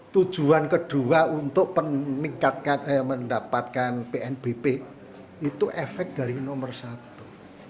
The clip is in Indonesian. tujuan kedua untuk mendapatkan pnbp itu efek dari nomor satu